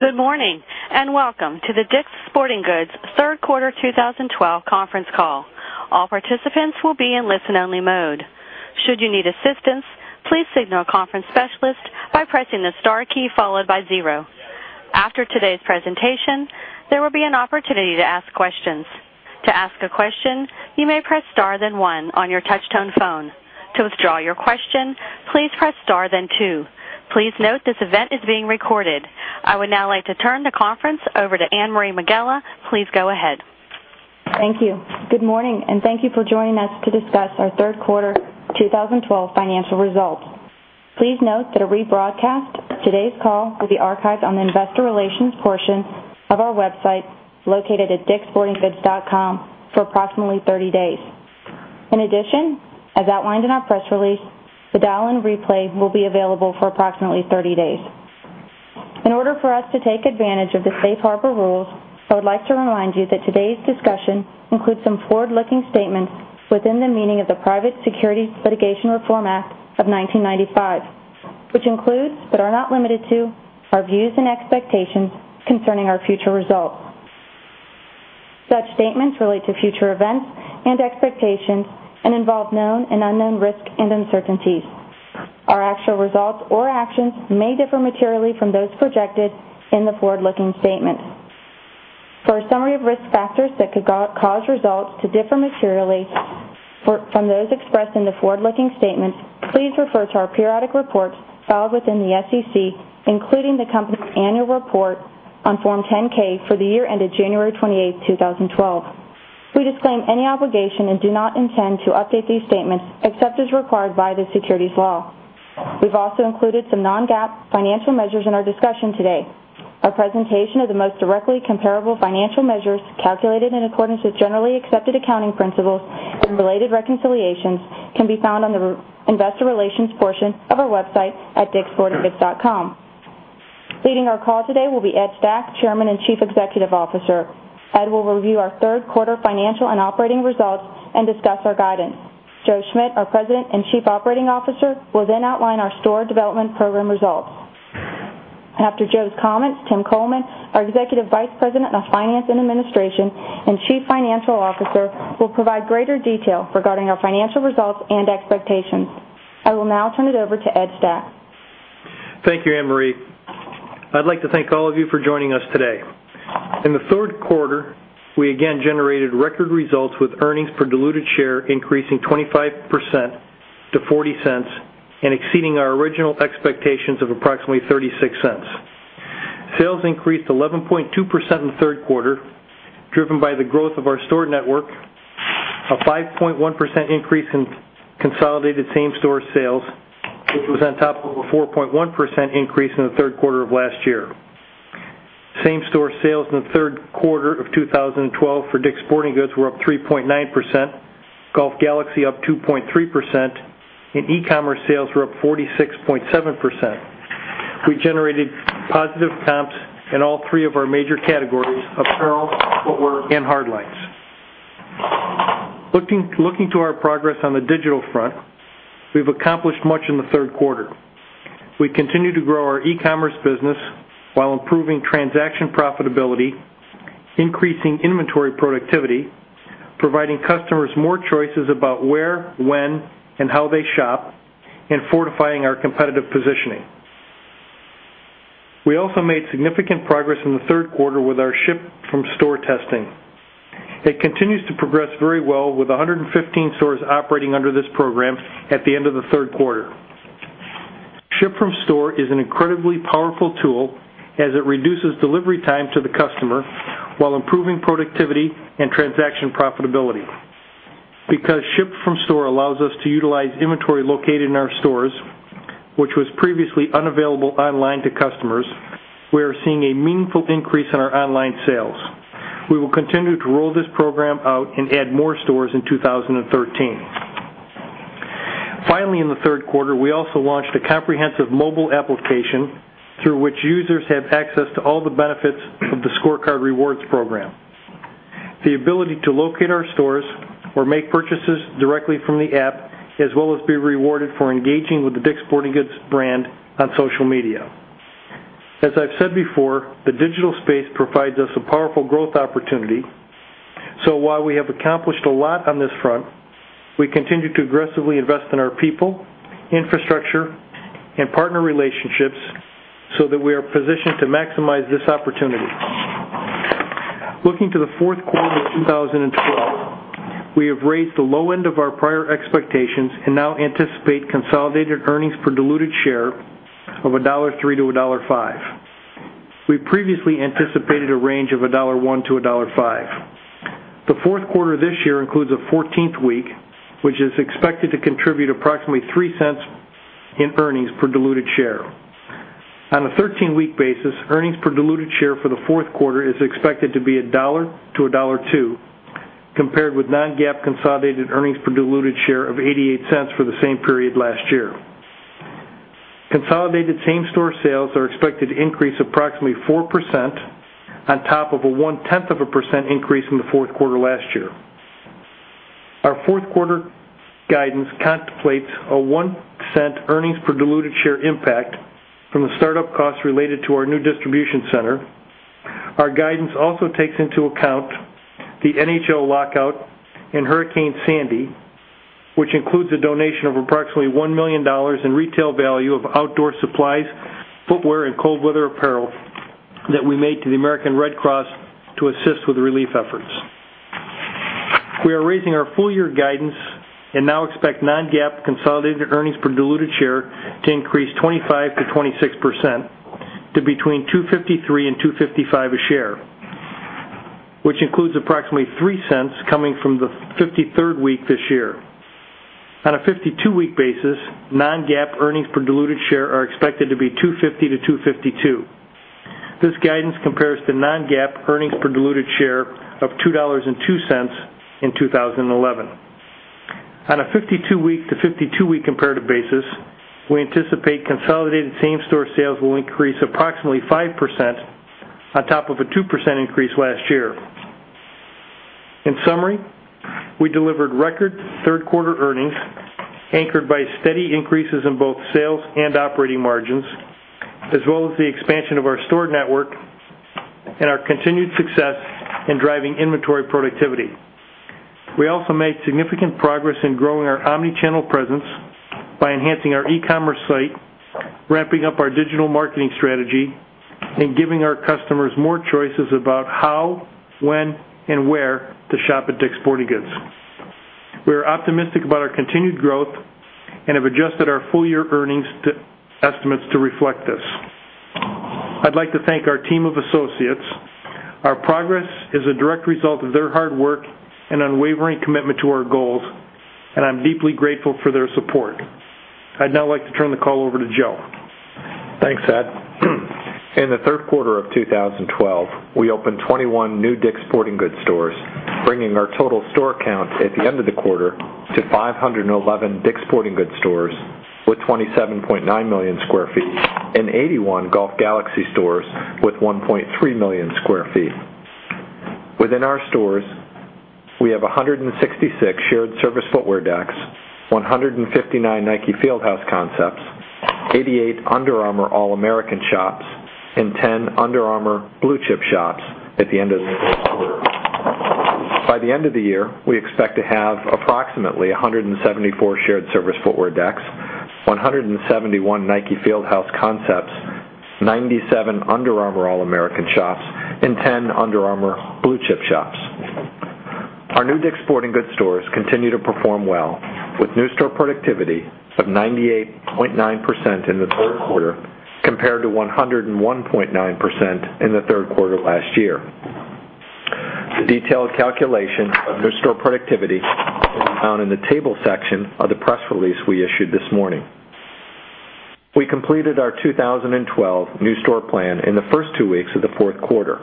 Good morning, and welcome to the DICK'S Sporting Goods third quarter 2012 conference call. All participants will be in listen-only mode. Should you need assistance, please signal a conference specialist by pressing the star key, followed by zero. After today's presentation, there will be an opportunity to ask questions. To ask a question, you may press star then one on your touch tone phone. To withdraw your question, please press star then two. Please note this event is being recorded. I would now like to turn the conference over to Anne-Marie Megela. Please go ahead. Thank you. Good morning, and thank you for joining us to discuss our third quarter 2012 financial results. Please note that a rebroadcast of today's call will be archived on the investor relations portion of our website, located at dickssportinggoods.com for approximately 30 days. In addition, as outlined in our press release, the dial-in replay will be available for approximately 30 days. In order for us to take advantage of the Safe Harbor rules, I would like to remind you that today's discussion includes some forward-looking statements within the meaning of the Private Securities Litigation Reform Act of 1995, which includes, but are not limited to, our views and expectations concerning our future results. Such statements relate to future events and expectations and involve known and unknown risks and uncertainties. Our actual results or actions may differ materially from those projected in the forward-looking statements. For a summary of risk factors that could cause results to differ materially from those expressed in the forward-looking statements, please refer to our periodic reports filed within the SEC, including the company's annual report on Form 10-K for the year ended January 28, 2012. We disclaim any obligation and do not intend to update these statements except as required by the securities law. We've also included some non-GAAP financial measures in our discussion today. Our presentation of the most directly comparable financial measures calculated in accordance with generally accepted accounting principles and related reconciliations can be found on the investor relations portion of our website at dickssportinggoods.com. Leading our call today will be Ed Stack, Chairman and Chief Executive Officer. Ed will review our third quarter financial and operating results and discuss our guidance. Joe Schmidt, our President and Chief Operating Officer, will then outline our store development program results. After Joe's comments, André J. Hawaux, our Executive Vice President of Finance and Administration and Chief Financial Officer, will provide greater detail regarding our financial results and expectations. I will now turn it over to Ed Stack. Thank you, Anne-Marie. I'd like to thank all of you for joining us today. In the third quarter, we again generated record results with earnings per diluted share increasing 25% to $0.40 and exceeding our original expectations of approximately $0.36. Sales increased 11.2% in the third quarter, driven by the growth of our store network, a 5.1% increase in consolidated same-store sales, which was on top of a 4.1% increase in the third quarter of last year. Same-store sales in the third quarter of 2012 for DICK'S Sporting Goods were up 3.9%, Golf Galaxy up 2.3%, and e-commerce sales were up 46.7%. We generated positive comps in all three of our major categories, apparel, footwear, and hardlines. Looking to our progress on the digital front, we've accomplished much in the third quarter. We continue to grow our e-commerce business while improving transaction profitability, increasing inventory productivity, providing customers more choices about where, when, and how they shop, and fortifying our competitive positioning. We also made significant progress in the third quarter with our Ship From Store testing. It continues to progress very well with 115 stores operating under this program at the end of the third quarter. Ship From Store is an incredibly powerful tool as it reduces delivery time to the customer while improving productivity and transaction profitability. Because Ship From Store allows us to utilize inventory located in our stores, which was previously unavailable online to customers, we are seeing a meaningful increase in our online sales. We will continue to roll this program out and add more stores in 2013. Finally, in the third quarter, we also launched a comprehensive mobile application through which users have access to all the benefits of the ScoreCard program. The ability to locate our stores or make purchases directly from the app, as well as be rewarded for engaging with the DICK'S Sporting Goods brand on social media. As I've said before, the digital space provides us a powerful growth opportunity. While we have accomplished a lot on this front, we continue to aggressively invest in our people, infrastructure, and partner relationships so that we are positioned to maximize this opportunity. Looking to the fourth quarter of 2012, we have raised the low end of our prior expectations and now anticipate consolidated earnings per diluted share of $1.03-$1.05. We previously anticipated a range of $1.01-$1.05. The fourth quarter this year includes a 14th week, which is expected to contribute approximately $0.03 in earnings per diluted share. On a 13-week basis, earnings per diluted share for the fourth quarter is expected to be $1.00-$1.02, compared with non-GAAP consolidated earnings per diluted share of $0.88 for the same period last year. Consolidated same-store sales are expected to increase approximately 4% on top of a one-tenth of a percent increase in the fourth quarter last year. Our fourth quarter guidance contemplates a $0.01 earnings per diluted share impact from the startup costs related to our new distribution center. Our guidance also takes into account the NHL lockout and Hurricane Sandy, which includes a donation of approximately $1 million in retail value of outdoor supplies, footwear, and cold weather apparel that we made to the American Red Cross to assist with relief efforts. We are raising our full year guidance and now expect non-GAAP consolidated earnings per diluted share to increase 25%-26%, to between $2.53 and $2.55 a share, which includes approximately $0.03 coming from the 53rd week this year. On a 52-week basis, non-GAAP earnings per diluted share are expected to be $2.50-$2.52. This guidance compares to non-GAAP earnings per diluted share of $2.02 in 2011. On a 52-week to 52-week comparative basis, we anticipate consolidated same-store sales will increase approximately 5% on top of a 2% increase last year. In summary, we delivered record third quarter earnings anchored by steady increases in both sales and operating margins, as well as the expansion of our store network and our continued success in driving inventory productivity. We also made significant progress in growing our omnichannel presence by enhancing our e-commerce site, ramping up our digital marketing strategy, and giving our customers more choices about how, when, and where to shop at DICK’S Sporting Goods. We are optimistic about our continued growth and have adjusted our full year earnings estimates to reflect this. I'd like to thank our team of associates. Our progress is a direct result of their hard work and unwavering commitment to our goals, I'm deeply grateful for their support. I'd now like to turn the call over to Joe. Thanks, Ed. In the third quarter of 2012, we opened 21 new DICK’S Sporting Goods stores, bringing our total store count at the end of the quarter to 511 DICK’S Sporting Goods stores with 27.9 million sq ft and 81 Golf Galaxy stores with 1.3 million sq ft. Within our stores, we have 166 shared service footwear decks, 159 Field House concepts, 88 Under Armour All American shops, and 10 Under Armour Blue Chip shops at the end of the third quarter. By the end of the year, we expect to have approximately 174 shared service footwear decks, 171 Field House concepts, 97 Under Armour All American shops, and 10 Under Armour Blue Chip shops. Our new DICK’S Sporting Goods stores continue to perform well with new store productivity of 98.9% in the third quarter, compared to 101.9% in the third quarter last year. The detailed calculation of new store productivity can be found in the table section of the press release we issued this morning. We completed our 2012 new store plan in the first two weeks of the fourth quarter.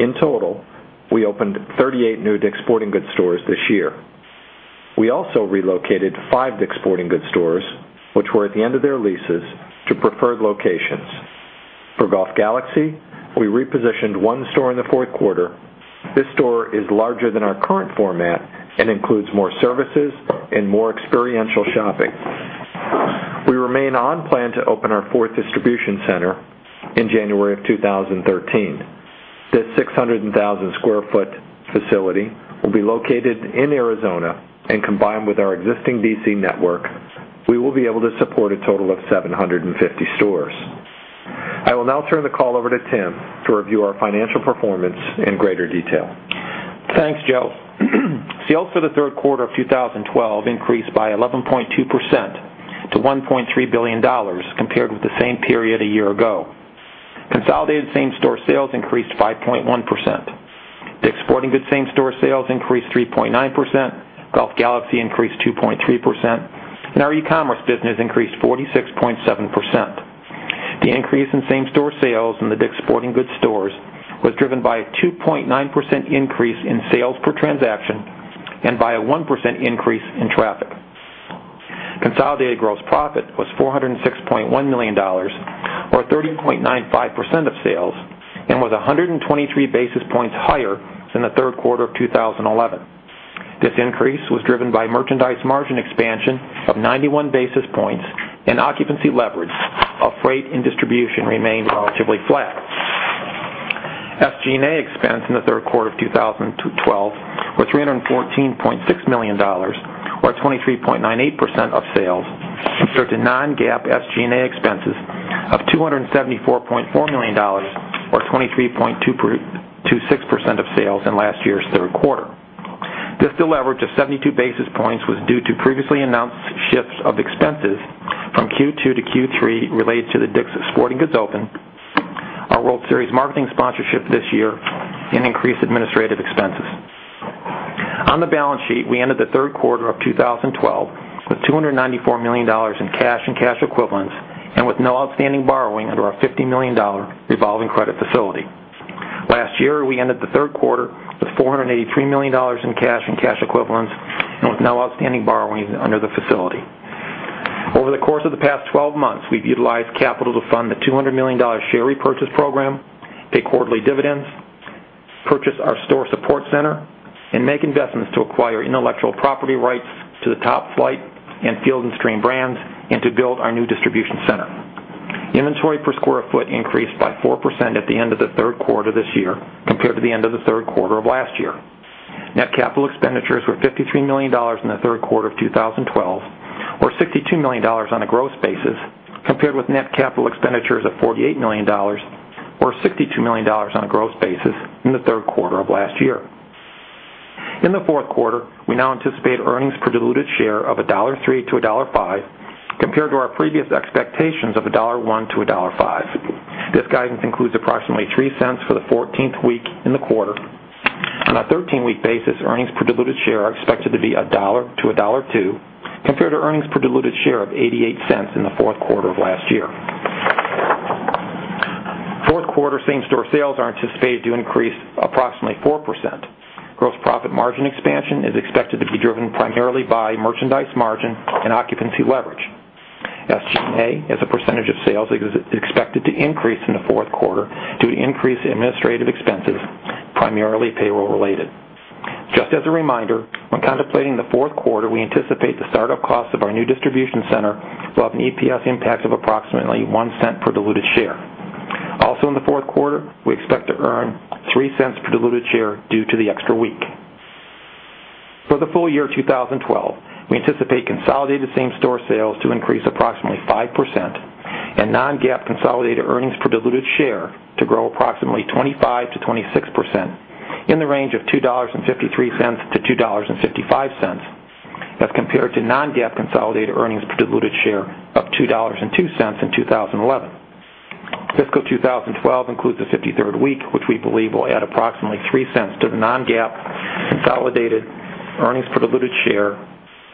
In total, we opened 38 new DICK’S Sporting Goods stores this year. We also relocated five DICK’S Sporting Goods stores, which were at the end of their leases, to preferred locations. For Golf Galaxy, we repositioned one store in the fourth quarter. This store is larger than our current format and includes more services and more experiential shopping. We remain on plan to open our fourth distribution center in January of 2013. This 600,000 sq ft facility will be located in Arizona, and combined with our existing DC network, we will be able to support a total of 750 stores. I will now turn the call over to Tim to review our financial performance in greater detail. Thanks, Joe. Sales for the third quarter of 2012 increased by 11.2% to $1.3 billion compared with the same period a year ago. Consolidated same-store sales increased 5.1%. DICK’S Sporting Goods same-store sales increased 3.9%, Golf Galaxy increased 2.3%, and our e-commerce business increased 46.7%. The increase in same-store sales in the DICK’S Sporting Goods stores was driven by a 2.9% increase in sales per transaction and by a 1% increase in traffic. Consolidated gross profit was $406.1 million, or 30.95% of sales, and was 123 basis points higher than the third quarter of 2011. This increase was driven by merchandise margin expansion of 91 basis points and occupancy leverage of freight and distribution remained relatively flat. SG&A expense in the third quarter of 2012 was $314.6 million, or 23.98% of sales, compared to non-GAAP SG&A expenses of $274.4 million, or 23.26% of sales in last year's third quarter. This deleverage of 72 basis points was due to previously announced shifts of expenses from Q2 to Q3 related to the DICK’S Sporting Goods Open, our World Series marketing sponsorship this year, and increased administrative expenses. On the balance sheet, we ended the third quarter of 2012 with $294 million in cash and cash equivalents and with no outstanding borrowing under our $50 million revolving credit facility. Last year, we ended the third quarter with $483 million in cash and cash equivalents and with no outstanding borrowings under the facility. Over the course of the past 12 months, we've utilized capital to fund the $200 million share repurchase program, pay quarterly dividends, purchase our store support center, and make investments to acquire intellectual property rights to the Top-Flite and Field & Stream brands, and to build our new distribution center. Inventory per square foot increased by 4% at the end of the third quarter this year compared to the end of the third quarter of last year. Net capital expenditures were $53 million in the third quarter of 2012, or $62 million on a gross basis, compared with net capital expenditures of $48 million, or $62 million on a gross basis, in the third quarter of last year. In the fourth quarter, we now anticipate earnings per diluted share of $1.03-$1.05, compared to our previous expectations of $1.01-$1.05. This guidance includes approximately $0.03 for the 14th week in the quarter. On a 13-week basis, earnings per diluted share are expected to be $1-$1.02, compared to earnings per diluted share of $0.88 in the fourth quarter of last year. Fourth quarter same-store sales are anticipated to increase approximately 4%. Gross profit margin expansion is expected to be driven primarily by merchandise margin and occupancy leverage. SG&A, as a percentage of sales, is expected to increase in the fourth quarter due to increased administrative expenses, primarily payroll related. Just as a reminder, when contemplating the fourth quarter, we anticipate the startup costs of our new distribution center will have an EPS impact of approximately $0.01 per diluted share. Also in the fourth quarter, we expect to earn $0.03 per diluted share due to the extra week. For the full year 2012, we anticipate consolidated same-store sales to increase approximately 5%, and non-GAAP consolidated earnings per diluted share to grow approximately 25%-26%, in the range of $2.53-$2.55, as compared to non-GAAP consolidated earnings per diluted share of $2.02 in 2011. Fiscal 2012 includes the 53rd week, which we believe will add approximately $0.03 to the non-GAAP consolidated earnings per diluted share,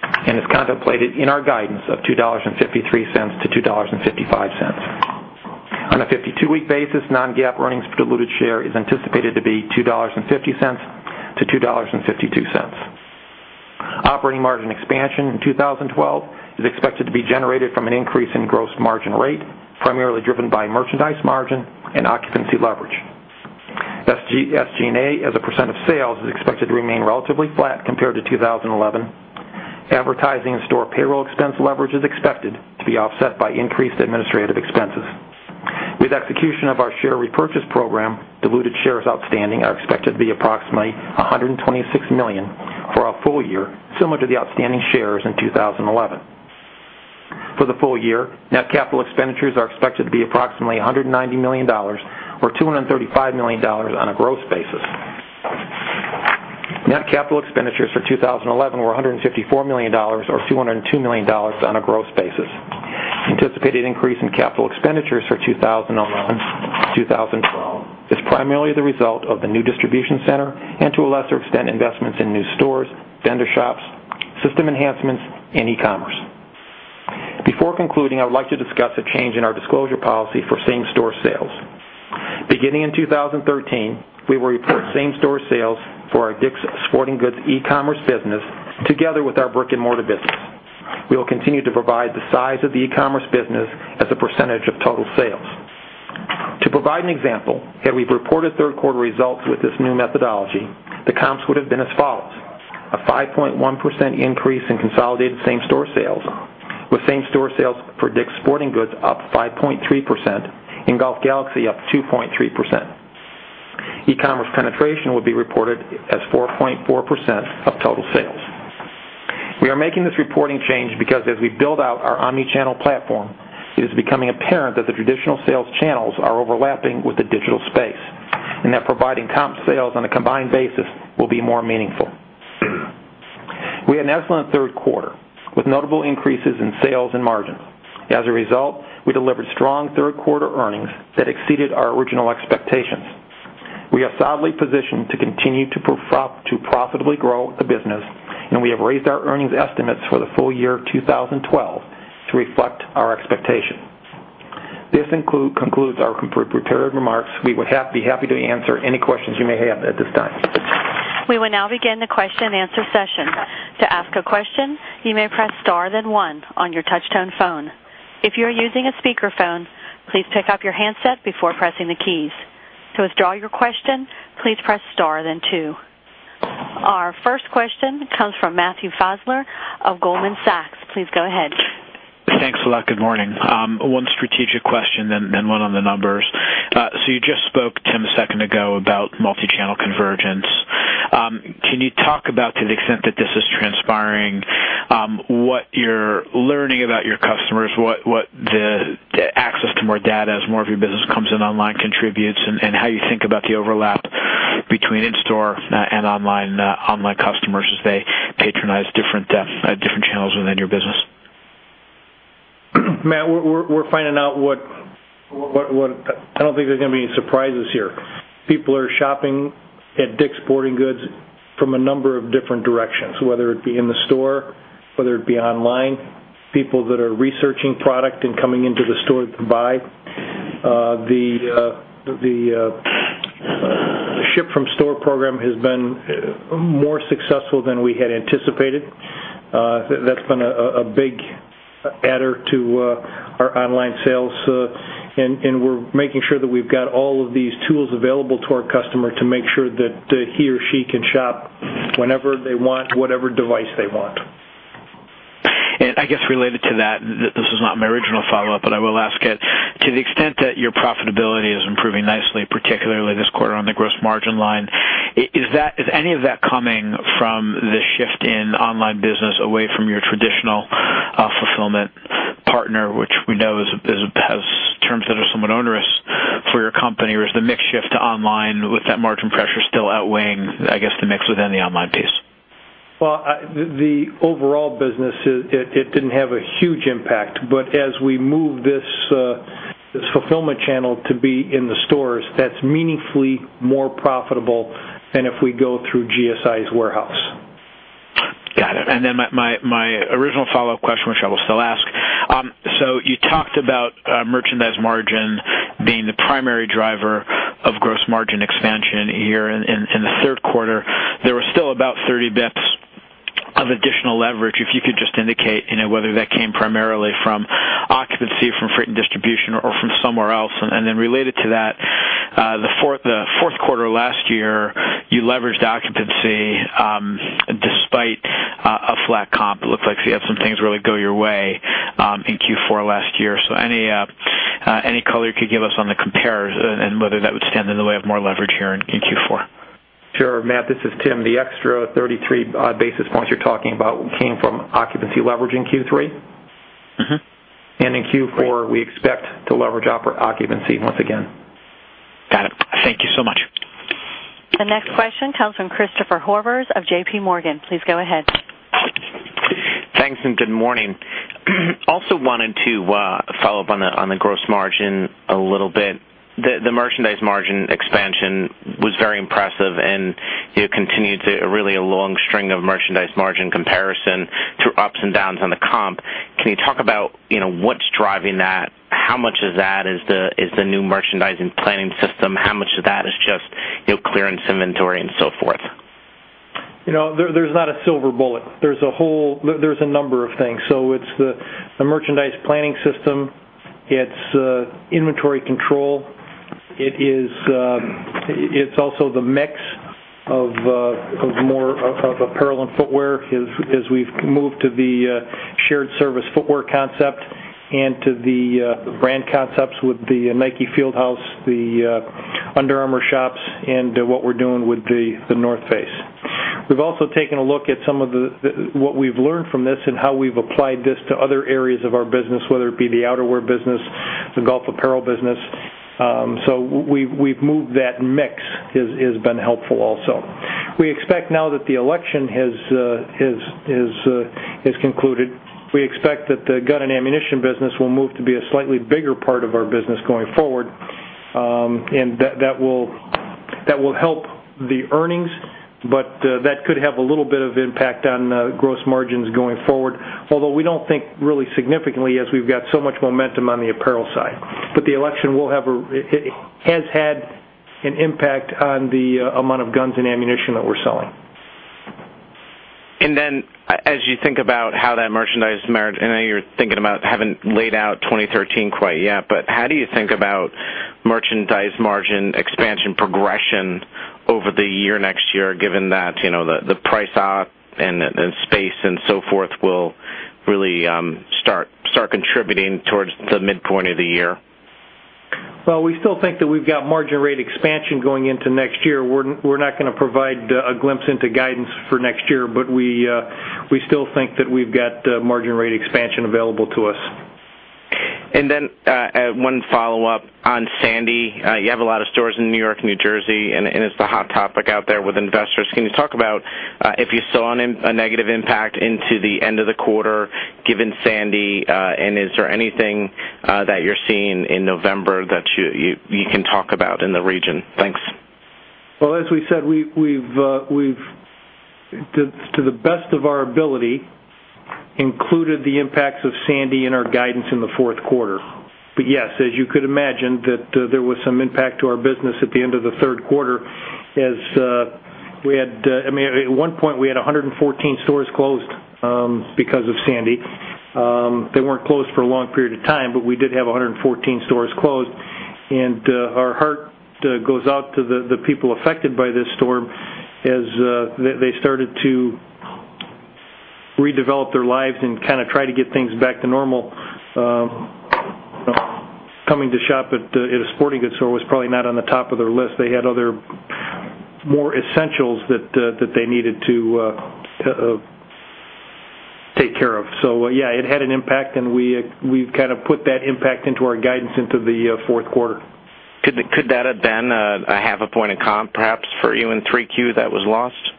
and is contemplated in our guidance of $2.53-$2.55. On a 52-week basis, non-GAAP earnings per diluted share is anticipated to be $2.50-$2.52. Operating margin expansion in 2012 is expected to be generated from an increase in gross margin rate, primarily driven by merchandise margin and occupancy leverage. SG&A, as a percent of sales, is expected to remain relatively flat compared to 2011. Advertising and store payroll expense leverage is expected to be offset by increased administrative expenses. With execution of our share repurchase program, diluted shares outstanding are expected to be approximately 126 million for our full year, similar to the outstanding shares in 2011. For the full year, net capital expenditures are expected to be approximately $190 million, or $235 million on a gross basis. Net capital expenditures for 2011 were $154 million, or $202 million on a gross basis. Anticipated increase in capital expenditures for 2012 is primarily the result of the new distribution center, and to a lesser extent, investments in new stores, vendor shops, system enhancements, and e-commerce. Before concluding, I would like to discuss a change in our disclosure policy for same-store sales. Beginning in 2013, we will report same-store sales for our DICK'S Sporting Goods e-commerce business together with our brick-and-mortar business. We will continue to provide the size of the e-commerce business as a percentage of total sales. To provide an example, had we reported third quarter results with this new methodology, the comps would have been as follows: A 5.1% increase in consolidated same-store sales, with same-store sales for DICK'S Sporting Goods up 5.3%, and Golf Galaxy up 2.3%. e-commerce penetration will be reported as 4.4% of total sales. We are making this reporting change because as we build out our omni-channel platform, it is becoming apparent that the traditional sales channels are overlapping with the digital space, and that providing comp sales on a combined basis will be more meaningful. We had an excellent third quarter, with notable increases in sales and margins. As a result, we delivered strong third quarter earnings that exceeded our original expectations. We are solidly positioned to continue to profitably grow the business, and we have raised our earnings estimates for the full year 2012 to reflect our expectations. This concludes our prepared remarks. We would be happy to answer any questions you may have at this time. We will now begin the question and answer session. To ask a question, you may press star then one on your touch-tone phone. If you are using a speakerphone, please pick up your handset before pressing the keys. To withdraw your question, please press star then two. Our first question comes from Matthew Fassler of Goldman Sachs. Please go ahead. Thanks a lot. Good morning. One strategic question, then one on the numbers. You just spoke, Tim, a second ago about multi-channel convergence. Can you talk about, to the extent that this is transpiring, what you're learning about your customers, what the access to more data as more of your business comes in online contributes, and how you think about the overlap between in-store and online customers as they patronize different channels within your business? Matt, we're finding out. I don't think there's going to be any surprises here. People are shopping at DICK'S Sporting Goods from a number of different directions, whether it be in the store, whether it be online, people that are researching product and coming into the store to buy. The Ship From Store program has been more successful than we had anticipated. That's been a big adder to our online sales. We're making sure that we've got all of these tools available to our customer to make sure that he or she can shop whenever they want, whatever device they want. I guess related to that, this was not my original follow-up, but I will ask it. To the extent that your profitability is improving nicely, particularly this quarter on the gross margin line, is any of that coming from the shift in online business away from your traditional fulfillment partner, which we know has terms that are somewhat onerous for your company? Is the mix shift to online with that margin pressure still outweighing, I guess, the mix within the online piece? The overall business, it didn't have a huge impact. As we move this fulfillment channel to be in the stores, that's meaningfully more profitable than if we go through GSI's warehouse. Got it. My original follow-up question, which I will still ask. You talked about merchandise margin being the primary driver of gross margin expansion here in the third quarter. There was still about 30 basis points of additional leverage, if you could just indicate whether that came primarily from occupancy, from freight and distribution, or from somewhere else. Related to that, the fourth quarter last year, you leveraged occupancy, despite a flat comp, it looked like. You had some things really go your way in Q4 last year. Any color you could give us on the compares and whether that would stand in the way of more leverage here in Q4? Sure, Matt, this is Tim. The extra 33 basis points you're talking about came from occupancy leverage in Q3. In Q4, we expect to leverage occupancy once again. Got it. Thank you so much. The next question comes from Christopher Horvers of JPMorgan. Please go ahead. Thanks, good morning. Also wanted to follow up on the gross margin a little bit. The merchandise margin expansion was very impressive, and it continued to really a long string of merchandise margin comparison through ups and downs on the comp. Can you talk about what's driving that? How much of that is the new merchandising planning system, how much of that is just clearance inventory and so forth? There's not a silver bullet. There's a number of things. It's the merchandise planning system. It's inventory control. It's also the mix of apparel and footwear as we've moved to the shared service footwear concept and to the brand concepts with the Field House, the Under Armour shops, and what we're doing with The North Face. We've also taken a look at some of what we've learned from this and how we've applied this to other areas of our business, whether it be the outerwear business, the golf apparel business. We've moved that mix, has been helpful also. We expect now that the election has concluded. We expect that the gun and ammunition business will move to be a slightly bigger part of our business going forward. That will help the earnings, but that could have a little bit of impact on gross margins going forward, although we don't think really significantly as we've got so much momentum on the apparel side. The election has had an impact on the amount of guns and ammunition that we're selling. As you think about how that merchandise margin, I know you're thinking about having laid out 2013 quite yet, but how do you think about merchandise margin expansion progression over the year next year, given that the price off and space and so forth will really start contributing towards the midpoint of the year? We still think that we've got margin rate expansion going into next year. We're not going to provide a glimpse into guidance for next year, but we still think that we've got margin rate expansion available to us. One follow-up on Hurricane Sandy. You have a lot of stores in New York, New Jersey, and it's the hot topic out there with investors. Can you talk about if you saw a negative impact into the end of the quarter given Hurricane Sandy? Is there anything that you're seeing in November that you can talk about in the region? Thanks. Well, as we said, we've, to the best of our ability, included the impacts of Hurricane Sandy in our guidance in the fourth quarter. Yes, as you could imagine, there was some impact to our business at the end of the third quarter. At one point, we had 114 stores closed because of Hurricane Sandy. They weren't closed for a long period of time, but we did have 114 stores closed, and our heart goes out to the people affected by this storm as they started to redevelop their lives and kind of try to get things back to normal. Coming to shop at a sporting goods store was probably not on the top of their list. They had other more essentials that they needed to take care of. Yeah, it had an impact, and we've kind of put that impact into our guidance into the fourth quarter. Could that have been a half a point of comp, perhaps, for you in 3Q that was lost?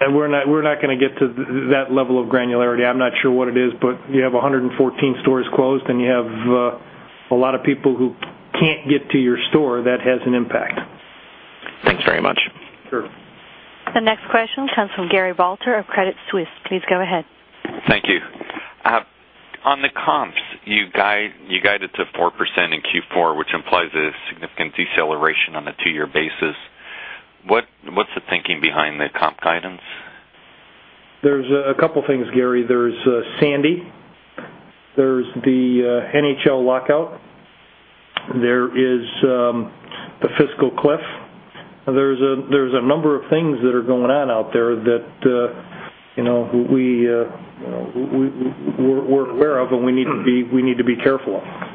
We're not going to get to that level of granularity. I'm not sure what it is, but you have 114 stores closed, and you have a lot of people who can't get to your store. That has an impact. Thanks very much. Sure. The next question comes from Gary Balter of Credit Suisse. Please go ahead. Thank you. On the comps, you guided to 4% in Q4, which implies a significant deceleration on the two-year basis. What's the thinking behind the comp guidance? There's a couple things, Gary. There's Hurricane Sandy. There's the NHL lockout. There is the fiscal cliff. There's a number of things that are going on out there that we're aware of, and we need to be careful of.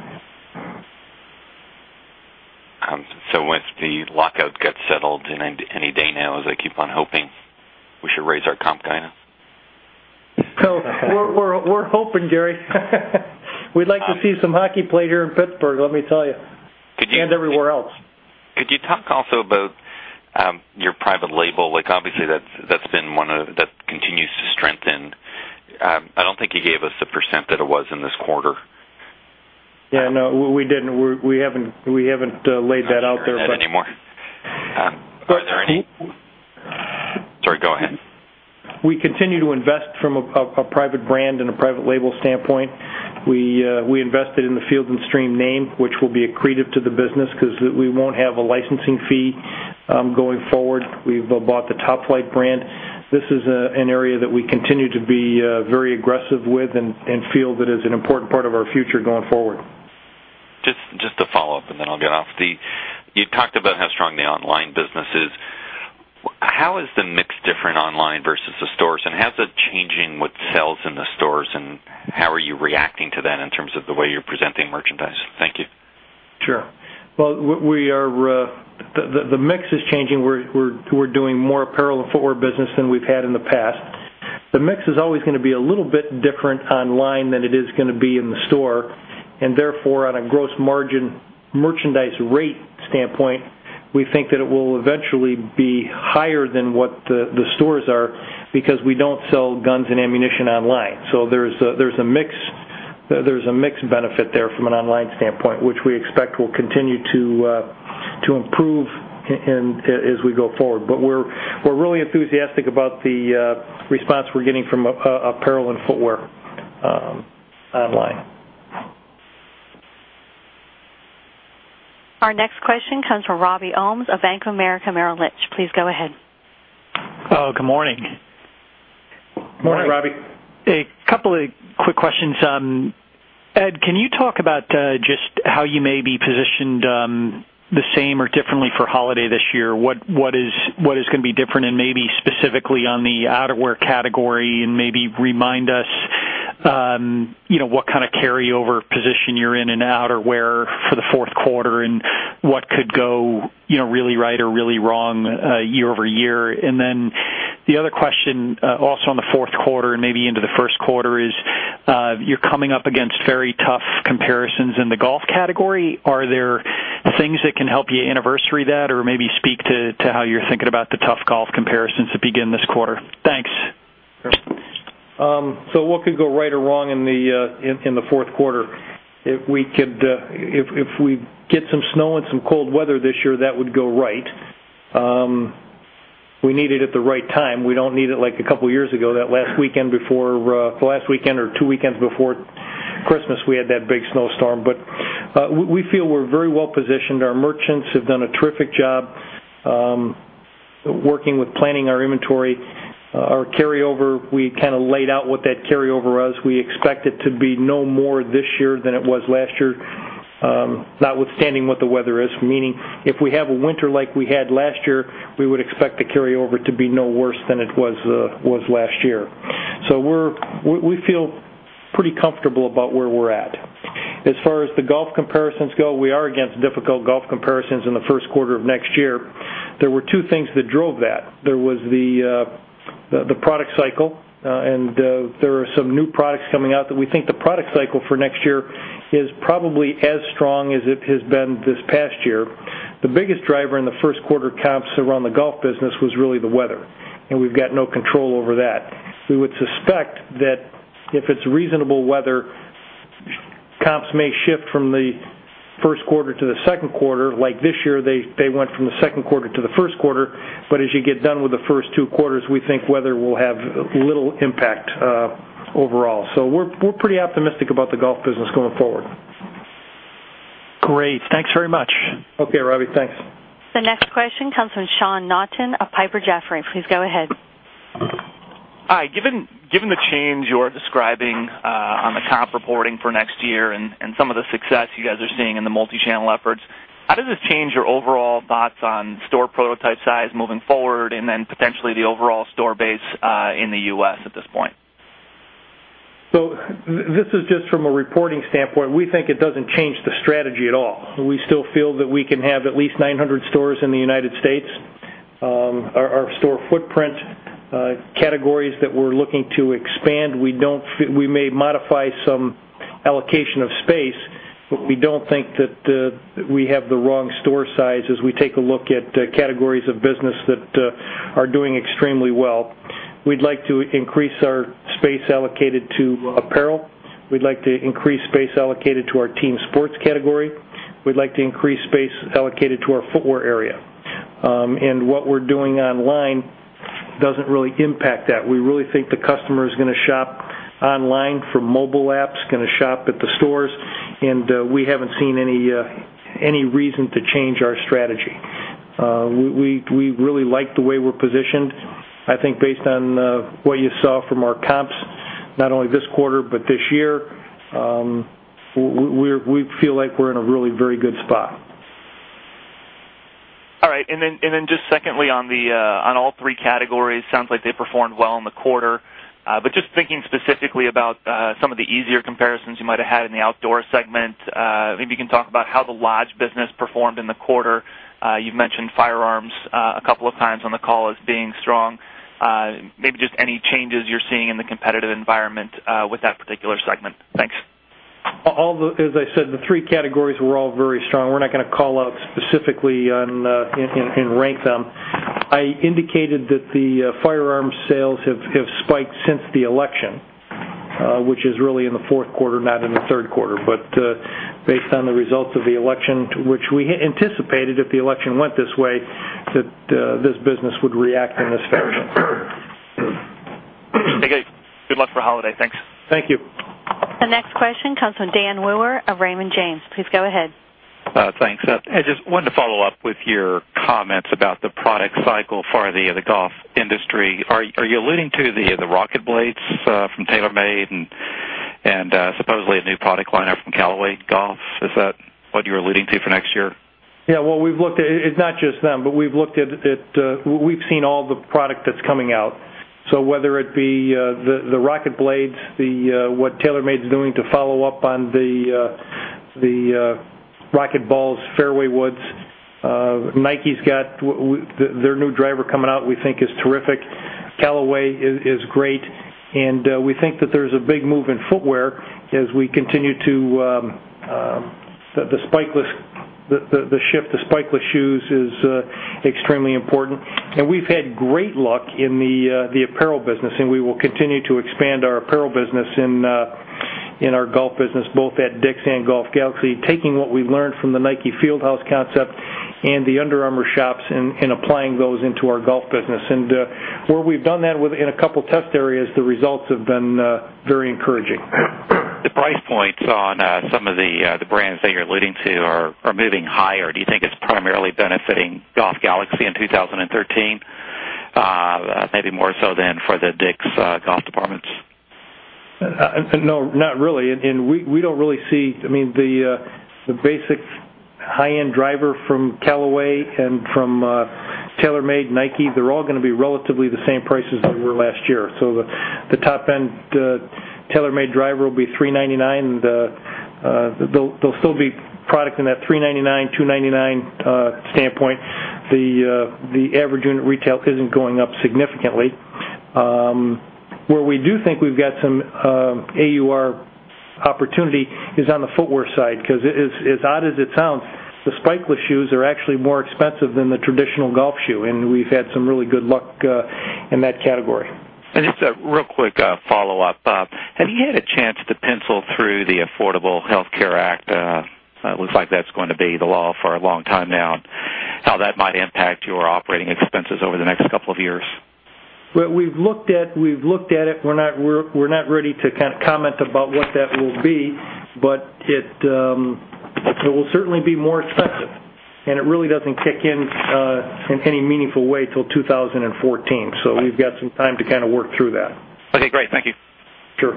Once the lockout gets settled any day now, as I keep on hoping, we should raise our comp guidance? We're hoping, Gary. We'd like to see some hockey played here in Pittsburgh, let me tell you. Everywhere else. Could you talk also about your private label? Obviously, that continues to strengthen. I don't think you gave us the % that it was in this quarter. Yeah, no, we didn't. We haven't laid that out there. Not anymore. Are there. Sorry, go ahead. We continue to invest from a private brand and a private label standpoint. We invested in the Field & Stream name, which will be accretive to the business because we won't have a licensing fee going forward. We've bought the Top Flite brand. This is an area that we continue to be very aggressive with and feel that is an important part of our future going forward. Just to follow up, then I'll get off. You talked about how strong the online business is. How is the mix different online versus the stores, and how's it changing what sells in the stores, and how are you reacting to that in terms of the way you're presenting merchandise? Thank you. Sure. Well, the mix is changing. We're doing more apparel and footwear business than we've had in the past. The mix is always going to be a little bit different online than it is going to be in the store, therefore, on a gross margin merchandise rate standpoint, we think that it will eventually be higher than what the stores are because we don't sell guns and ammunition online. There's a mix benefit there from an online standpoint, which we expect will continue to improve as we go forward. We're really enthusiastic about the response we're getting from apparel and footwear online. Our next question comes from Robert Ohmes of Bank of America Merrill Lynch. Please go ahead. Hello. Good morning. Morning, Robbie. A couple of quick questions. Ed, can you talk about just how you may be positioned the same or differently for holiday this year? What is going to be different and maybe specifically on the outerwear category and maybe remind us what kind of carryover position you're in and outerwear for the fourth quarter and what could go really right or really wrong year-over-year. Then the other question, also on the fourth quarter and maybe into the first quarter is, you're coming up against very tough comparisons in the golf category. Are there things that can help you anniversary that or maybe speak to how you're thinking about the tough golf comparisons that begin this quarter? Thanks. Sure. What could go right or wrong in the fourth quarter. If we get some snow and some cold weather this year, that would go right. We need it at the right time. We don't need it like a couple years ago, that last weekend or two weekends before Christmas, we had that big snowstorm. We feel we're very well-positioned. Our merchants have done a terrific job working with planning our inventory. Our carryover, we kind of laid out what that carryover was. We expect it to be no more this year than it was last year, notwithstanding what the weather is. Meaning, if we have a winter like we had last year, we would expect the carryover to be no worse than it was last year. We feel pretty comfortable about where we're at. As far as the golf comparisons go, we are against difficult golf comparisons in the first quarter of next year. There were two things that drove that. There was the product cycle, and there are some new products coming out that we think the product cycle for next year is probably as strong as it has been this past year. The biggest driver in the first quarter comps around the golf business was really the weather, and we've got no control over that. We would suspect that if it's reasonable weather, comps may shift from the first quarter to the second quarter. Like this year, they went from the second quarter to the first quarter. As you get done with the first two quarters, we think weather will have little impact overall. We're pretty optimistic about the golf business going forward. Great. Thanks very much. Okay, Robbie. Thanks. The next question comes from Sean Naughton of Piper Jaffray. Please go ahead. Hi. Given the change you're describing on the comp reporting for next year and some of the success you guys are seeing in the multi-channel efforts, how does this change your overall thoughts on store prototype size moving forward, then potentially the overall store base in the U.S. at this point? This is just from a reporting standpoint. We think it doesn't change the strategy at all. We still feel that we can have at least 900 stores in the United States. Our store footprint categories that we're looking to expand, we may modify some allocation of space, but we don't think that we have the wrong store size as we take a look at categories of business that are doing extremely well. We'd like to increase our space allocated to apparel. We'd like to increase space allocated to our team sports category. We'd like to increase space allocated to our footwear area. What we're doing online doesn't really impact that. We really think the customer is going to shop online from mobile apps, going to shop at the stores, and we haven't seen any reason to change our strategy. We really like the way we're positioned. I think based on what you saw from our comps, not only this quarter but this year, we feel like we're in a really very good spot. All right. Just secondly, on all three categories, sounds like they performed well in the quarter. Just thinking specifically about some of the easier comparisons you might have had in the outdoor segment, maybe you can talk about how the lodge business performed in the quarter. You've mentioned firearms a couple of times on the call as being strong. Maybe just any changes you're seeing in the competitive environment with that particular segment. Thanks. As I said, the three categories were all very strong. We're not going to call out specifically and rank them. I indicated that the firearm sales have spiked since the election, which is really in the fourth quarter, not in the third quarter. Based on the results of the election, to which we anticipated if the election went this way, that this business would react in this fashion. Okay. Good luck for holiday. Thanks. Thank you. The next question comes from Dan Wewer of Raymond James. Please go ahead. Thanks. I just wanted to follow up with your comments about the product cycle for the golf industry. Are you alluding to the RocketBladez from TaylorMade and supposedly a new product line up from Callaway Golf? Is that what you're alluding to for next year? Yeah. It's not just them, but we've seen all the product that's coming out. So whether it be the RocketBladez, what TaylorMade's doing to follow up on the RocketBallz, Fairway Woods. Nike's got their new driver coming out we think is terrific. Callaway is great, and we think that there's a big move in footwear as we continue the shift to spikeless shoes is extremely important. We've had great luck in the apparel business, and we will continue to expand our apparel business in our golf business, both at DICK'S and Golf Galaxy, taking what we've learned from the Nike Field House concept and the Under Armour shops and applying those into our golf business. Where we've done that in a couple test areas, the results have been very encouraging. The price points on some of the brands that you're alluding to are moving higher. Do you think it's primarily benefiting Golf Galaxy in 2013 maybe more so than for the DICK'S golf departments? No, not really. We don't really see the basic high-end driver from Callaway and from TaylorMade, Nike, they're all going to be relatively the same price as they were last year. The top-end TaylorMade driver will be $399, and there'll still be product in that $399, $299 standpoint. The average unit retail isn't going up significantly. Where we do think we've got some AUR opportunity is on the footwear side, because as odd as it sounds, the spikeless shoes are actually more expensive than the traditional golf shoe, and we've had some really good luck in that category. Just a real quick follow-up. Have you had a chance to pencil through the Affordable Care Act? It looks like that's going to be the law for a long time now, and how that might impact your operating expenses over the next couple of years. We've looked at it. We're not ready to comment about what that will be, it will certainly be more expensive, and it really doesn't kick in any meaningful way till 2014. We've got some time to work through that. Okay, great. Thank you. Sure.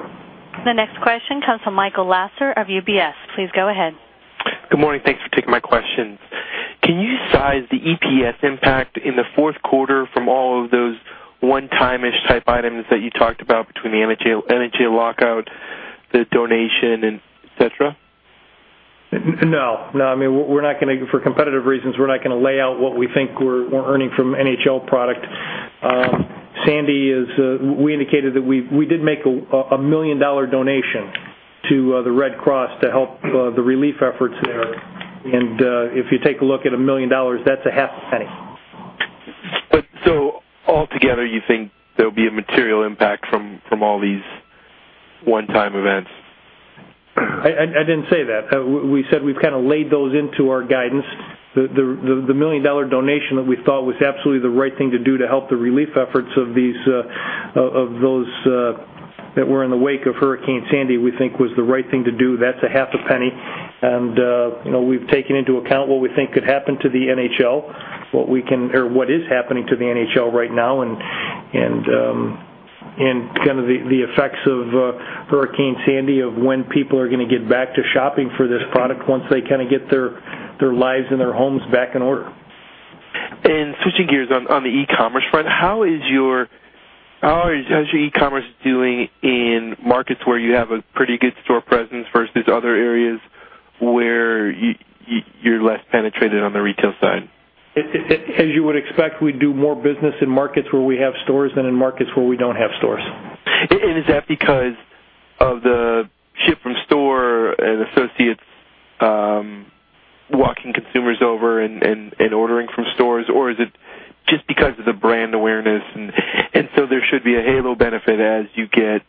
The next question comes from Michael Lasser of UBS. Please go ahead. Good morning. Thanks for taking my questions. Can you size the EPS impact in the fourth quarter from all of those one-time-ish type items that you talked about between the NHL lockout, the donation, et cetera? No. For competitive reasons, we're not going to lay out what we think we're earning from NHL product. Sandy, we indicated that we did make a $1 million donation to the Red Cross to help the relief efforts there. If you take a look at $1 million, that's a half a penny. altogether, you think there'll be a material impact from all these one-time events? I didn't say that. We said we've laid those into our guidance. The million-dollar donation that we thought was absolutely the right thing to do to help the relief efforts of those that were in the wake of Hurricane Sandy, we think was the right thing to do. That's a half a penny. We've taken into account what we think could happen to the NHL, or what is happening to the NHL right now, and the effects of Hurricane Sandy, of when people are going to get back to shopping for this product once they get their lives and their homes back in order. Switching gears on the e-commerce front, how is your e-commerce doing in markets where you have a pretty good store presence versus other areas where you're less penetrated on the retail side? As you would expect, we do more business in markets where we have stores than in markets where we don't have stores. Is that because of the associates walking consumers over and ordering from stores, or is it just because of the brand awareness, so there should be a halo benefit as you get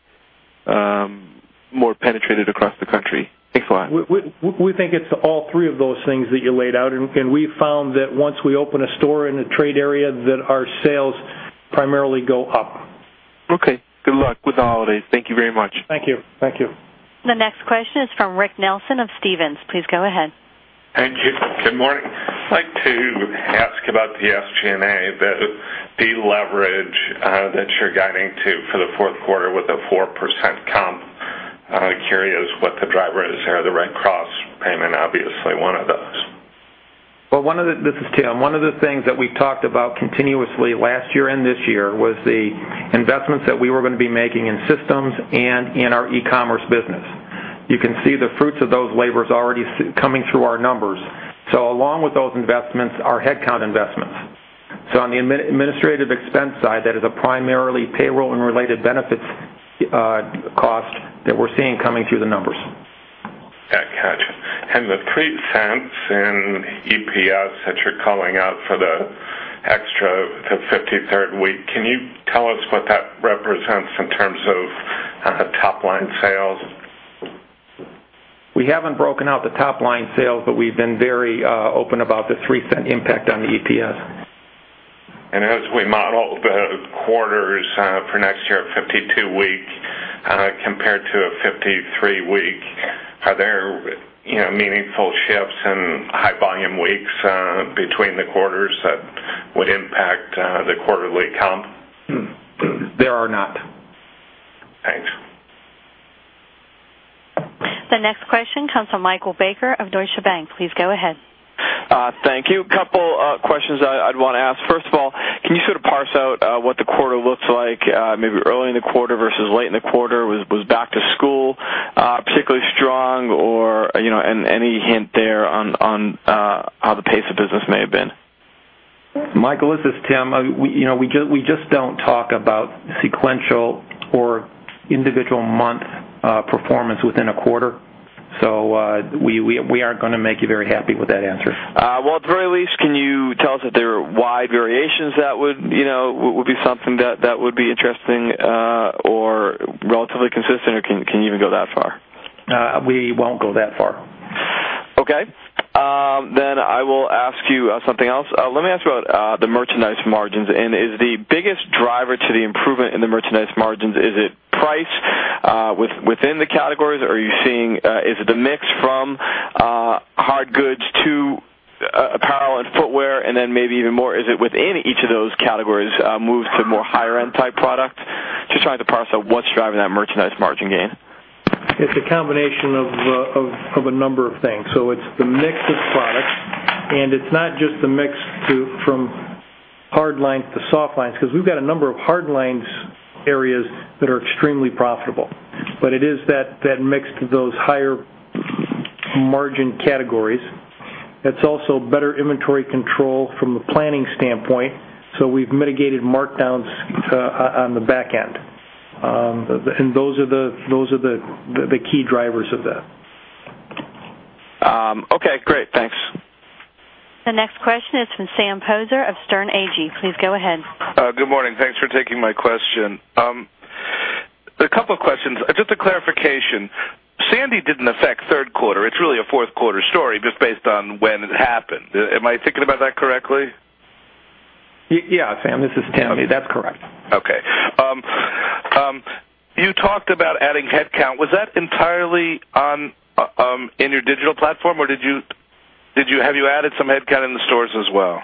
more penetrated across the country? Thanks a lot. We think it's all three of those things that you laid out, we found that once we open a store in a trade area, that our sales primarily go up. Okay. Good luck with the holidays. Thank you very much. Thank you. The next question is from Rick Nelson of Stephens. Please go ahead. Thank you. Good morning. I'd like to ask about the SG&A, the leverage that you're guiding to for the fourth quarter with a 4% comp. Curious what the driver is there. The Red Cross payment, obviously one of those. Well, this is Tim. One of the things that we talked about continuously last year and this year was the investments that we were going to be making in systems and in our e-commerce business. You can see the fruits of those labors already coming through our numbers. Along with those investments, are headcount investments. On the administrative expense side, that is a primarily payroll and related benefits cost that we're seeing coming through the numbers. The $0.03 in EPS that you're calling out for the extra, the 53rd week, can you tell us what that represents in terms of top-line sales? We haven't broken out the top-line sales, but we've been very open about the $0.03 impact on the EPS. As we model the quarters for next year, 52 week compared to a 53 week, are there meaningful shifts in high volume weeks between the quarters that would impact the quarterly comp? There are not. Thanks. The next question comes from Michael Baker of Deutsche Bank. Please go ahead. Thank you. Couple questions I'd want to ask. First of all, can you sort of parse out what the quarter looks like maybe early in the quarter versus late in the quarter? Was back to school particularly strong, and any hint there on how the pace of business may have been? Michael, this is Tim. We just don't talk about sequential or individual month performance within a quarter. We aren't going to make you very happy with that answer. Well, at the very least, can you tell us if there are wide variations that would be something that would be interesting or relatively consistent, or can you even go that far? We won't go that far. Okay. I will ask you something else. Let me ask you about the merchandise margins, is the biggest driver to the improvement in the merchandise margins, is it price within the categories? Are you seeing, is it the mix from hard goods to apparel and footwear, and then maybe even more, is it within each of those categories moves to more higher end type product? Just trying to parse out what's driving that merchandise margin gain. It's a combination of a number of things. It's the mix of products, and it's not just the mix from hardlines to softlines, because we've got a number of hardlines areas that are extremely profitable. It is that mix to those higher margin categories. It's also better inventory control from a planning standpoint. We've mitigated markdowns on the back end. Those are the key drivers of that. Okay, great. Thanks. The next question is from Sam Poser of Sterne Agee. Please go ahead. Good morning. Thanks for taking my question. A couple questions. Just a clarification. Sandy didn't affect third quarter. It's really a fourth quarter story just based on when it happened. Am I thinking about that correctly? Yeah, Sam, this is Tim. That's correct. Okay. You talked about adding headcount. Was that entirely in your digital platform, or have you added some headcount in the stores as well?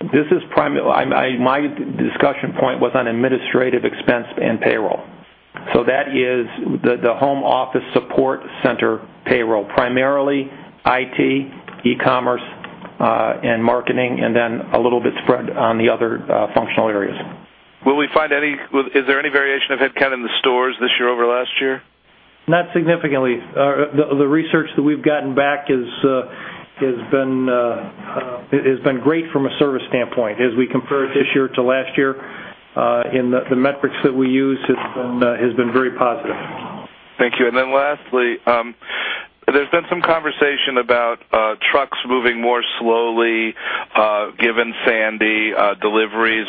My discussion point was on administrative expense and payroll. That is the home office support center payroll, primarily IT, e-commerce, and marketing, and then a little bit spread on the other functional areas. Is there any variation of headcount in the stores this year over last year? Not significantly. The research that we've gotten back has been great from a service standpoint as we compare this year to last year. The metrics that we use has been very positive. Thank you. Lastly, there's been some conversation about trucks moving more slowly given Sandy deliveries.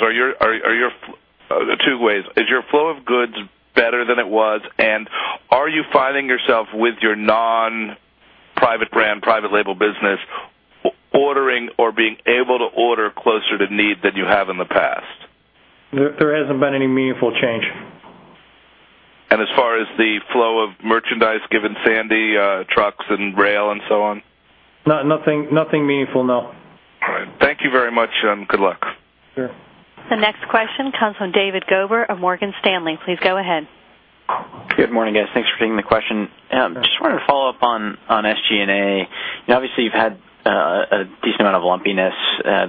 Two ways. Is your flow of goods better than it was, and are you finding yourself with your non-private brand, private label business, ordering or being able to order closer to need than you have in the past? There hasn't been any meaningful change. As far as the flow of merchandise given Sandy, trucks and rail and so on? Nothing meaningful, no. All right. Thank you very much and good luck. Sure. The next question comes from David Gober of Morgan Stanley. Please go ahead. Good morning, guys. Thanks for taking the question. Just wanted to follow up on SG&A. Obviously, you've had a decent amount of lumpiness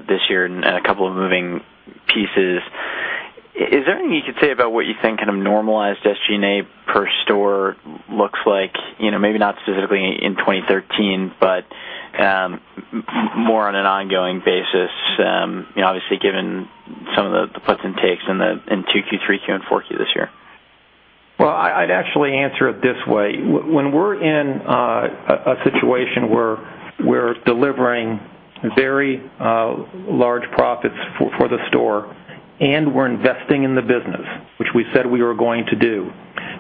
this year and a couple of moving pieces. Is there anything you could say about what you think kind of normalized SG&A per store looks like? Maybe not specifically in 2013, but more on an ongoing basis. Obviously, given some of the puts and takes in 2Q, 3Q, and 4Q this year. Well, I'd actually answer it this way. When we're in a situation where we're delivering very large profits for the store and we're investing in the business, which we said we were going to do,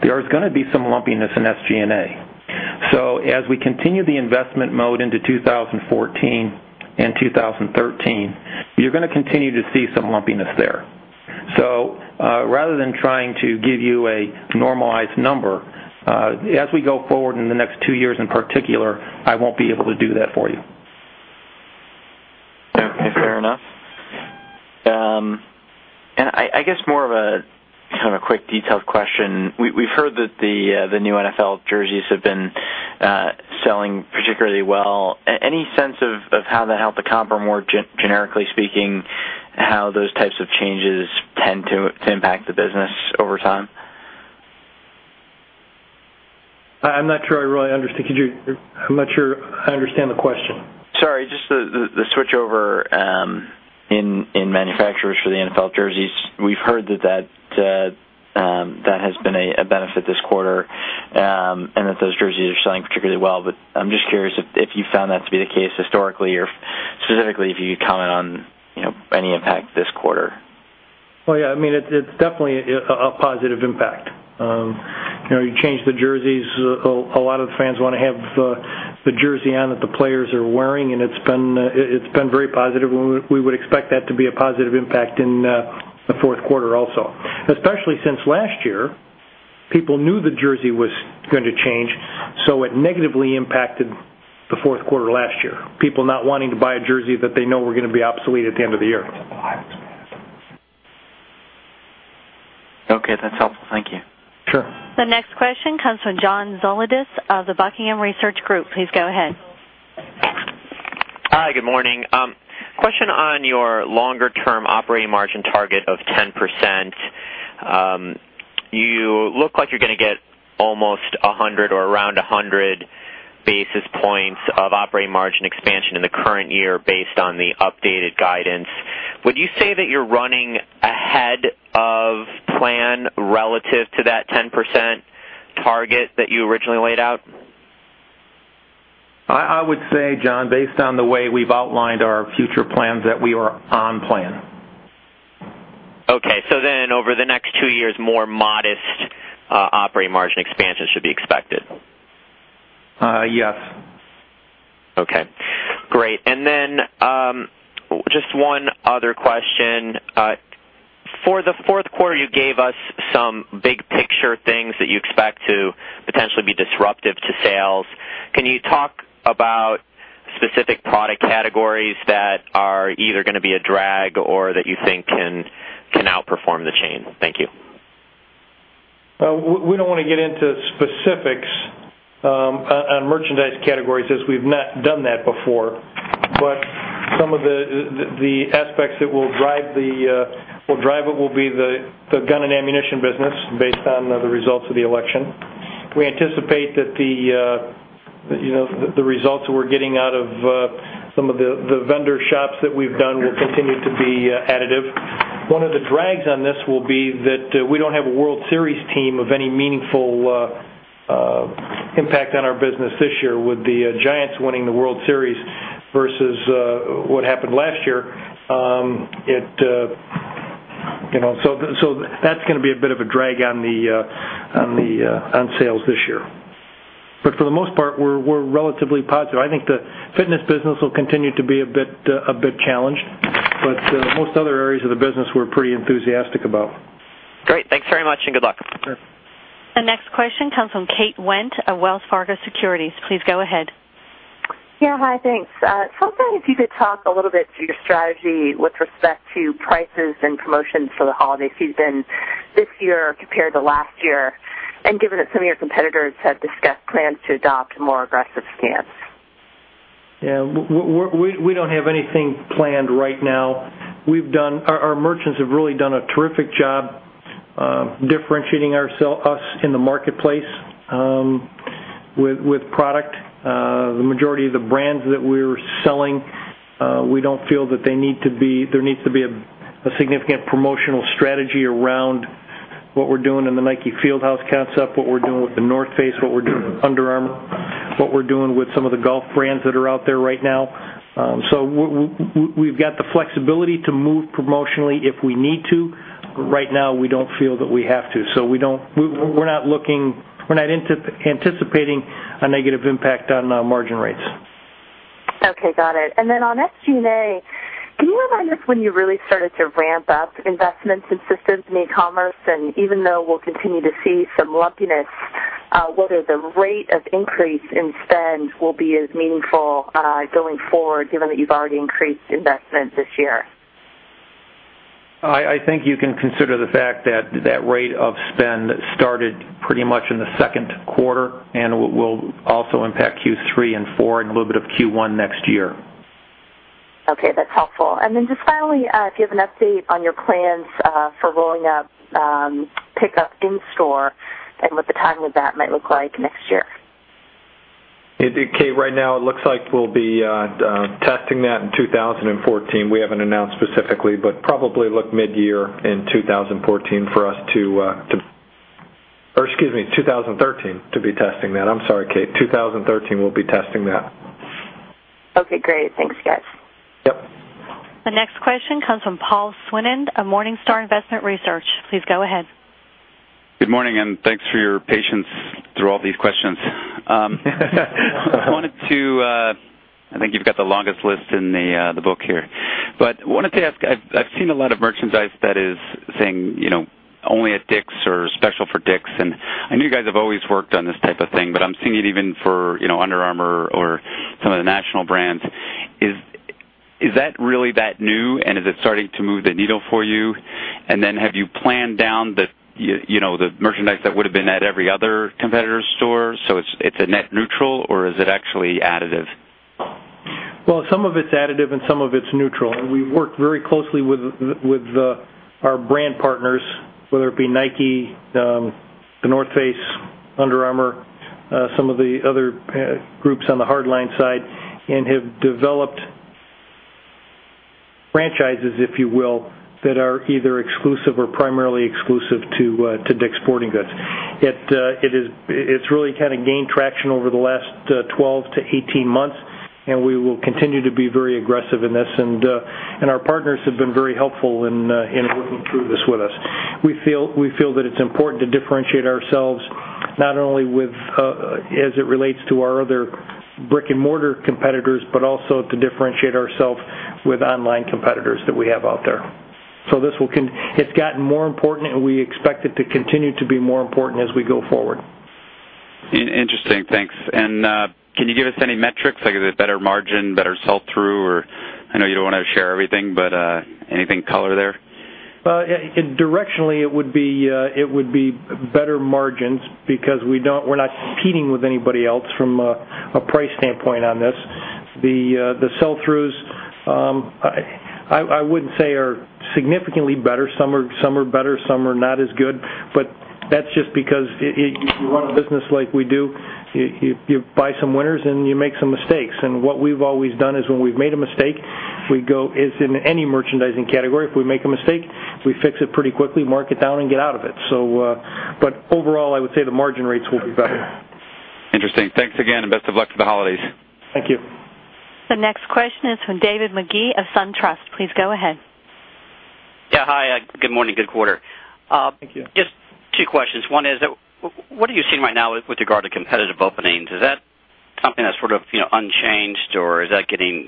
there is going to be some lumpiness in SG&A. As we continue the investment mode into 2014 and 2013, you're going to continue to see some lumpiness there. Rather than trying to give you a normalized number as we go forward in the next two years in particular, I won't be able to do that for you. Okay, fair enough. I guess more of a kind of quick detailed question. We've heard that the new NFL jerseys have been selling particularly well. Any sense of how that helped the comp, or more generically speaking, how those types of changes tend to impact the business over time? I'm not sure I understand the question. Sorry. Just the switchover in manufacturers for the NFL jerseys. We've heard that has been a benefit this quarter, and that those jerseys are selling particularly well. I'm just curious if you found that to be the case historically or specifically if you could comment on any impact this quarter. Well, yeah. It's definitely a positive impact. You change the jerseys, a lot of the fans want to have the jersey on that the players are wearing, and it's been very positive, and we would expect that to be a positive impact in the fourth quarter also. Especially since last year, people knew the jersey was going to change, so it negatively impacted the fourth quarter last year, people not wanting to buy a jersey that they know were going to be obsolete at the end of the year. Okay. That's helpful. Thank you. Sure. The next question comes from John Zolidis of The Buckingham Research Group. Please go ahead. Hi. Good morning. Question on your longer term operating margin target of 10%. You look like you're going to get almost 100 or around 100 basis points of operating margin expansion in the current year based on the updated guidance. Would you say that you're running ahead of plan relative to that 10% target that you originally laid out? I would say, John, based on the way we've outlined our future plans, that we are on plan. Okay. Over the next two years, more modest operating margin expansion should be expected. Yes. Okay. Great. Just one other question. For the fourth quarter, you gave us some big picture things that you expect to potentially be disruptive to sales. Can you talk about specific product categories that are either going to be a drag or that you think can outperform the chain? Thank you. We don't want to get into specifics on merchandise categories, as we've not done that before. Some of the aspects that will drive it will be the gun and ammunition business based on the results of the election. We anticipate that the results that we're getting out of some of the vendor shops that we've done will continue to be additive. One of the drags on this will be that we don't have a World Series team of any meaningful impact on our business this year with the Giants winning the World Series versus what happened last year. That's going to be a bit of a drag on sales this year. For the most part, we're relatively positive. I think the fitness business will continue to be a bit challenged. Most other areas of the business, we're pretty enthusiastic about. Great. Thanks very much and good luck. Sure. The next question comes from Kate Wendt of Wells Fargo Securities. Please go ahead. Yeah. Hi, thanks. I was hoping if you could talk a little bit to your strategy with respect to prices and promotions for the holidays season this year compared to last year, given that some of your competitors have discussed plans to adopt a more aggressive stance. Yeah. We don't have anything planned right now. Our merchants have really done a terrific job differentiating us in the marketplace with product. The majority of the brands that we're selling, we don't feel that there needs to be a significant promotional strategy around what we're doing in the Field House concept, what we're doing with The North Face, what we're doing with Under Armour, what we're doing with some of the golf brands that are out there right now. We've got the flexibility to move promotionally if we need to. Right now, we don't feel that we have to. We're not anticipating a negative impact on our margin rates. Okay, got it. On SG&A, can you remind us when you really started to ramp up investments in systems and e-commerce? Even though we'll continue to see some lumpiness, whether the rate of increase in spend will be as meaningful going forward given that you've already increased investment this year. I think you can consider the fact that that rate of spend started pretty much in the second quarter and will also impact Q3 and four and a little bit of Q1 next year. Okay, that's helpful. Then just finally, if you have an update on your plans for rolling out pickup in store and what the timing of that might look like next year. Kate, right now it looks like we'll be testing that in 2014. We haven't announced specifically, but probably look mid-year in 2013 to be testing that. I'm sorry, Kate. 2013, we'll be testing that. Okay, great. Thanks, guys. Yep. The next question comes from Paul Swinand of Morningstar. Please go ahead. Good morning, thanks for your patience through all these questions. I think you've got the longest list in the book here. Wanted to ask, I've seen a lot of merchandise that is saying, only at DICK'S or special for DICK'S, and I know you guys have always worked on this type of thing, but I'm seeing it even for Under Armour or some of the national brands. Is that really that new, and is it starting to move the needle for you? Then have you planned down the merchandise that would've been at every other competitor's store? It's a net neutral, or is it actually additive? Some of it's additive, and some of it's neutral. We work very closely with our brand partners, whether it be Nike, The North Face, Under Armour, some of the other groups on the hard line side, and have developed franchises, if you will, that are either exclusive or primarily exclusive to DICK'S Sporting Goods. It's really gained traction over the last 12 to 18 months, and we will continue to be very aggressive in this. Our partners have been very helpful in working through this with us. We feel that it's important to differentiate ourselves not only as it relates to our other brick-and-mortar competitors, but also to differentiate ourself with online competitors that we have out there. It's gotten more important, and we expect it to continue to be more important as we go forward. Interesting. Thanks. Can you give us any metrics, like is it better margin, better sell-through? I know you don't want to share everything, but anything color there? Directionally, it would be better margins because we're not competing with anybody else from a price standpoint on this. The sell-throughs, I wouldn't say are significantly better. Some are better, some are not as good, but that's just because if you run a business like we do, you buy some winners, and you make some mistakes. What we've always done is when we've made a mistake, as in any merchandising category, if we make a mistake, we fix it pretty quickly, mark it down, and get out of it. Overall, I would say the margin rates will be better. Interesting. Thanks again, and best of luck for the holidays. Thank you. The next question is from David Magee of SunTrust. Please go ahead. Yeah. Hi, good morning. Good quarter. Thank you. Just two questions. One is, what are you seeing right now with regard to competitive openings? Is that something that's unchanged, or is that getting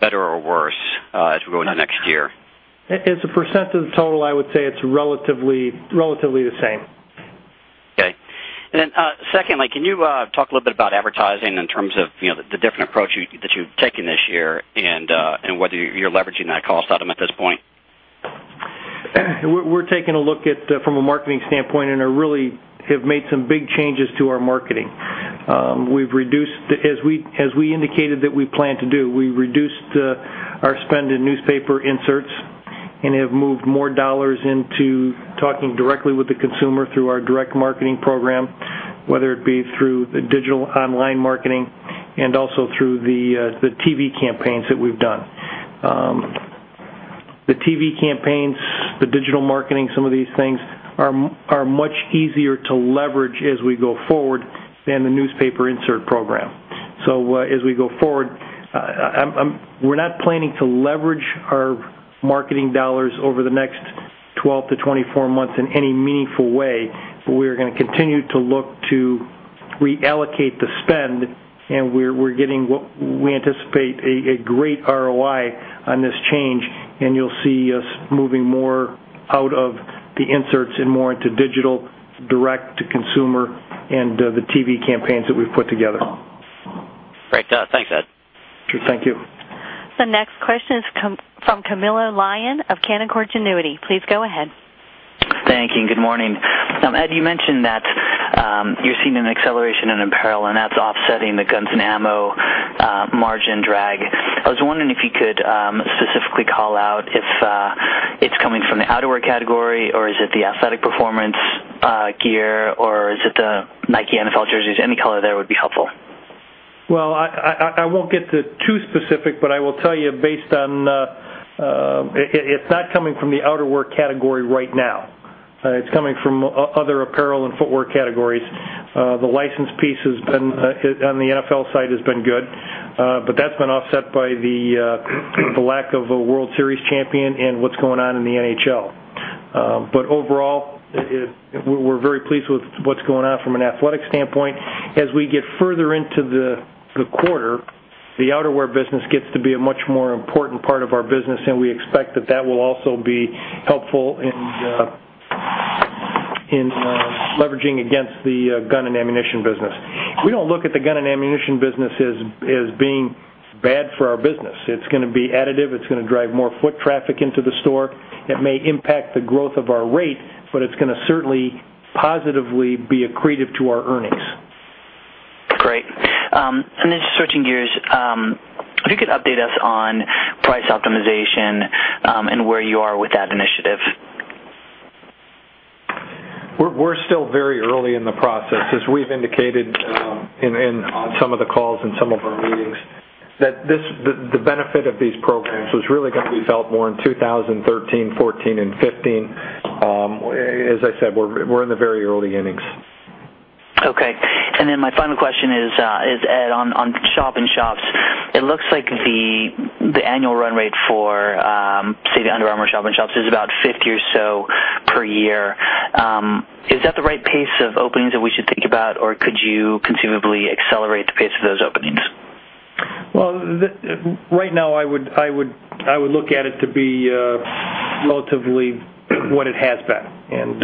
better or worse as we go into next year? As a % of the total, I would say it's relatively the same. Okay. Secondly, can you talk a little bit about advertising in terms of the different approach that you've taken this year and whether you're leveraging that cost item at this point? We're taking a look at, from a marketing standpoint, really have made some big changes to our marketing. As we indicated that we plan to do, we reduced our spend in newspaper inserts and have moved more dollars into talking directly with the consumer through our direct marketing program, whether it be through the digital online marketing and also through the TV campaigns that we've done. The TV campaigns, the digital marketing, some of these things are much easier to leverage as we go forward than the newspaper insert program. As we go forward, we're not planning to leverage our marketing dollars over the next 12 to 24 months in any meaningful way. We are going to continue to look to reallocate the spend, we anticipate a great ROI on this change, you'll see us moving more out of the inserts and more into digital, direct to consumer, and the TV campaigns that we've put together. Great. Thanks, Ed. Sure. Thank you. The next question is from Camilo Lyon of Canaccord Genuity. Please go ahead. Thank you. Good morning. Ed, you mentioned that you're seeing an acceleration in apparel and that's offsetting the guns and ammo margin drag. I was wondering if you could specifically call out if it's coming from the outerwear category, or is it the athletic performance gear, or is it the Nike NFL jerseys? Any color there would be helpful. Well, I won't get too specific. I will tell you, it's not coming from the outerwear category right now. It's coming from other apparel and footwear categories. The licensed pieces on the NFL side has been good. That's been offset by the lack of a World Series champion and what's going on in the NHL. Overall, we're very pleased with what's going on from an athletic standpoint. As we get further into the quarter, the outerwear business gets to be a much more important part of our business. We expect that that will also be helpful in leveraging against the gun and ammunition business. We don't look at the gun and ammunition business as being bad for our business. It's going to be additive. It's going to drive more foot traffic into the store. It may impact the growth of our rate. It's going to certainly positively be accretive to our earnings. Great. Then switching gears, if you could update us on price optimization, and where you are with that initiative. We're still very early in the process. As we've indicated on some of the calls and some of our meetings, that the benefit of these programs was really going to be felt more in 2013, 2014, and 2015. As I said, we're in the very early innings. Okay. Then my final question is, Ed, on shop-in-shops. It looks like the annual run rate for, say, the Under Armour shop-in-shops is about 50 or so per year. Is that the right pace of openings that we should think about, or could you conceivably accelerate the pace of those openings? Well, right now, I would look at it to be relatively what it has been.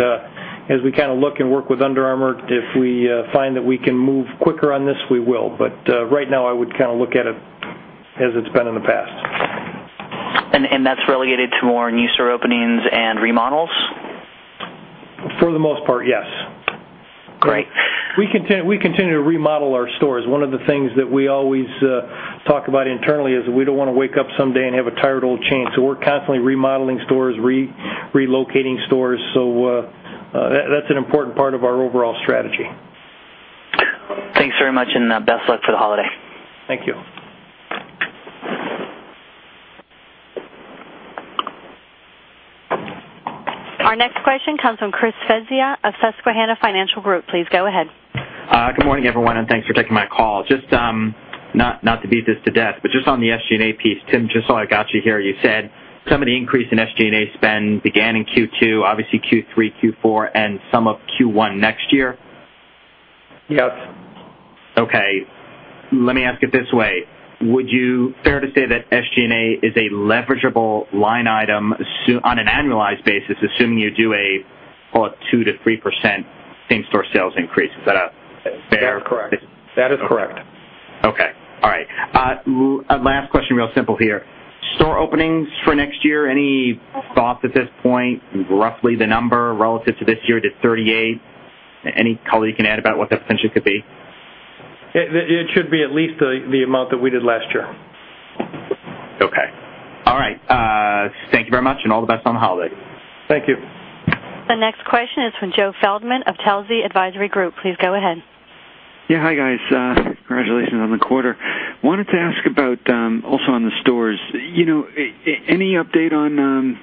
As we look and work with Under Armour, if we find that we can move quicker on this, we will. Right now, I would look at it as it's been in the past. That's relegated to more new store openings and remodels? For the most part, yes. Great. We continue to remodel our stores. One of the things that we always talk about internally is that we don't want to wake up someday and have a tired old chain. We're constantly remodeling stores, relocating stores, that's an important part of our overall strategy. Thanks very much, best of luck for the holiday. Thank you. Our next question comes from Chris Svezia of Susquehanna Financial Group. Please go ahead. Good morning, everyone, Thanks for taking my call. Not to beat this to death, but just on the SG&A piece, Tim, just so I got you here, you said some of the increase in SG&A spend began in Q2, obviously Q3, Q4, and some of Q1 next year? Yes. Okay. Let me ask it this way. Would you care to say that SG&A is a leverageable line item on an annualized basis, assuming you do a 2%-3% same-store sales increase? Is that a fair- That is correct. Okay. All right. Last question, real simple here. Store openings for next year, any thoughts at this point, roughly the number relative to this year to 38? Any color you can add about what that potentially could be? It should be at least the amount that we did last year. Okay. All right. Thank you very much, and all the best on the holiday. Thank you. The next question is from Joe Feldman of Telsey Advisory Group. Please go ahead. Yeah. Hi, guys. Congratulations on the quarter. Wanted to ask about, also on the stores, any update on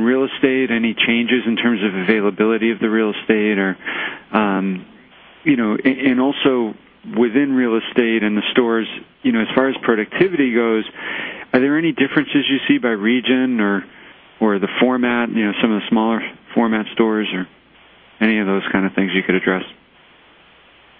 real estate, any changes in terms of availability of the real estate? Also within real estate and the stores, as far as productivity goes, are there any differences you see by region or the format, some of the smaller format stores or any of those kind of things you could address?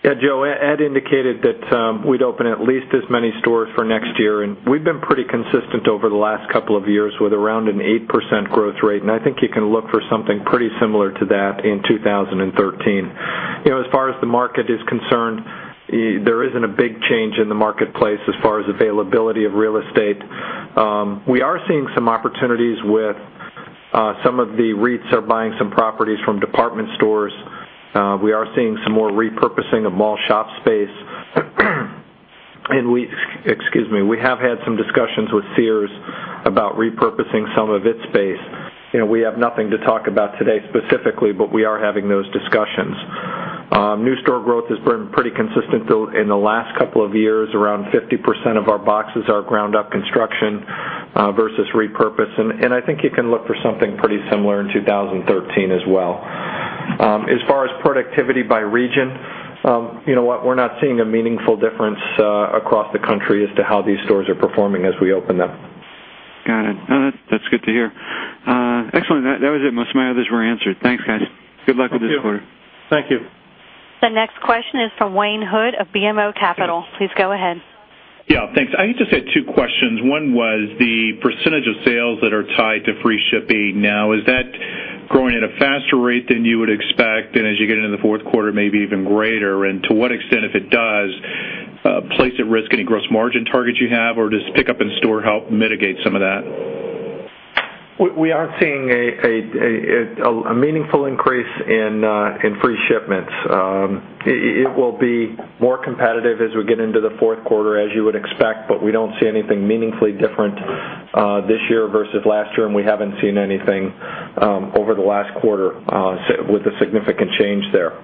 Yeah, Joe, Ed indicated that we'd open at least as many stores for next year. We've been pretty consistent over the last couple of years with around an 8% growth rate. I think you can look for something pretty similar to that in 2013. As far as the market is concerned, there isn't a big change in the marketplace as far as availability of real estate. We are seeing some opportunities with some of the REITs are buying some properties from department stores. We are seeing some more repurposing of mall shop space. Excuse me. We have had some discussions with Sears about repurposing some of its space. We have nothing to talk about today specifically, but we are having those discussions. New store growth has been pretty consistent, though, in the last couple of years. Around 50% of our boxes are ground-up construction versus repurpose, and I think you can look for something pretty similar in 2013 as well. As far as productivity by region, you know what, we're not seeing a meaningful difference across the country as to how these stores are performing as we open them. Got it. No, that's good to hear. Excellent. That was it. Most of my others were answered. Thanks, guys. Good luck with this quarter. Thank you. The next question is from Wayne Hood of BMO Capital. Please go ahead. Thanks. I just had two questions. One was the percentage of sales that are tied to free shipping now. Is that growing at a faster rate than you would expect, and as you get into the fourth quarter, maybe even greater? To what extent, if it does, place at risk any gross margin targets you have, or does pick up in store help mitigate some of that? We are seeing a meaningful increase in free shipments. It will be more competitive as we get into the fourth quarter, as you would expect. We don't see anything meaningfully different this year versus last year. We haven't seen anything over the last quarter with a significant change there.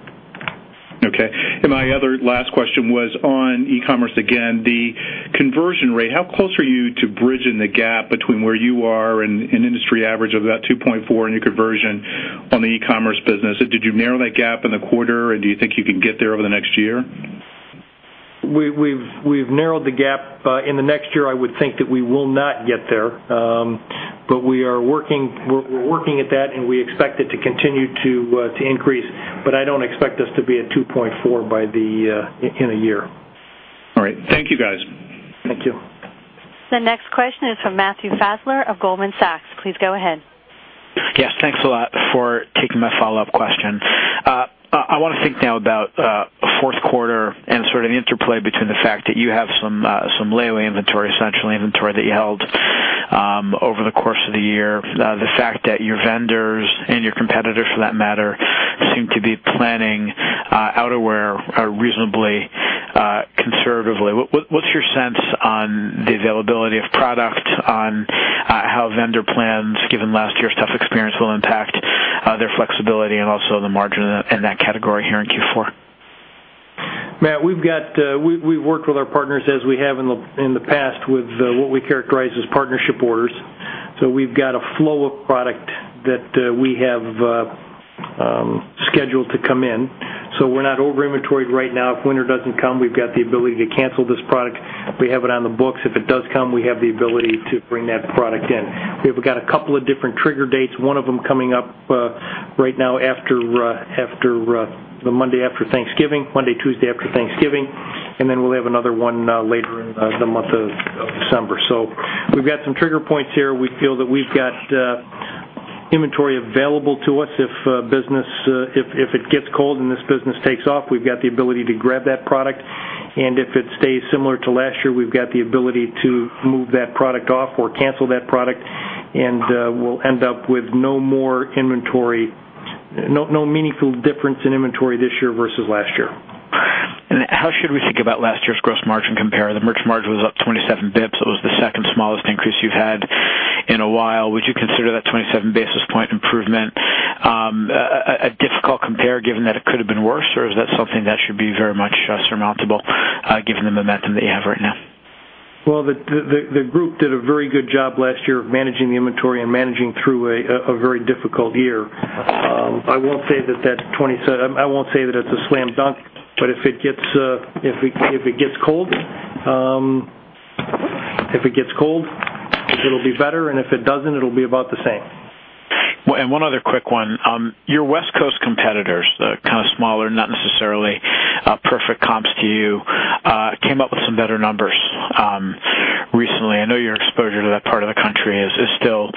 Okay. My other last question was on e-commerce again, the conversion rate. How close are you to bridging the gap between where you are and industry average of about 2.4 in your conversion on the e-commerce business? Did you narrow that gap in the quarter? Do you think you can get there over the next year? We've narrowed the gap. In the next year, I would think that we will not get there. We're working at that. We expect it to continue to increase. I don't expect us to be at 2.4 in a year. All right. Thank you, guys. Thank you. The next question is from Matthew Fassler of Goldman Sachs. Please go ahead. Yes, thanks a lot for taking my follow-up question. I want to think now about fourth quarter and sort of the interplay between the fact that you have some layaway inventory, essentially inventory that you held over the course of the year, the fact that your vendors, and your competitors for that matter, seem to be planning outerwear reasonably conservatively. What's your sense on the availability of product, on how vendor plans, given last year's tough experience, will impact their flexibility and also the margin in that category here in Q4? Matt, we've worked with our partners as we have in the past with what we characterize as partnership orders. We've got a flow of product that we have scheduled to come in. We're not over-inventoried right now. If winter doesn't come, we've got the ability to cancel this product. We have it on the books. If it does come, we have the ability to bring that product in. We have got a couple of different trigger dates, one of them coming up right now after the Monday after Thanksgiving, Monday, Tuesday after Thanksgiving, then we'll have another one later in the month of December. We've got some trigger points here. We feel that we've got inventory available to us. If it gets cold and this business takes off, we've got the ability to grab that product. If it stays similar to last year, we've got the ability to move that product off or cancel that product, we'll end up with no meaningful difference in inventory this year versus last year. How should we think about last year's gross margin compare? The merchant margin was up 27 basis points. It was the second smallest increase you've had in a while. Would you consider that 27 basis point improvement a difficult compare, given that it could have been worse, or is that something that should be very much surmountable, given the momentum that you have right now? Well, the group did a very good job last year of managing the inventory and managing through a very difficult year. I won't say that it's a slam dunk. If it gets cold, it'll be better, if it doesn't, it'll be about the same. One other quick one. Your West Coast competitors, the kind of smaller, not necessarily perfect comps to you, came up with some better numbers recently. I know your exposure to that part of the country is still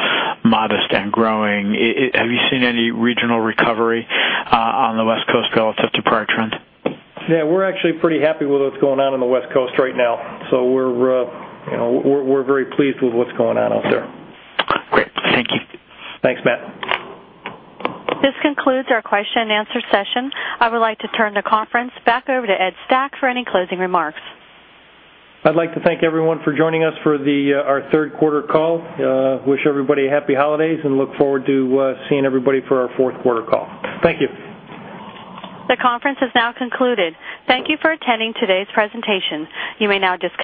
modest and growing. Have you seen any regional recovery on the West Coast relative to prior trends? Yeah, we're actually pretty happy with what's going on in the West Coast right now. We're very pleased with what's going on out there. Great. Thank you. Thanks, Matt. This concludes our question and answer session. I would like to turn the conference back over to Ed Stack for any closing remarks. I'd like to thank everyone for joining us for our third quarter call. Wish everybody a happy holidays and look forward to seeing everybody for our fourth quarter call. Thank you. The conference has now concluded. Thank you for attending today's presentation. You may now disconnect.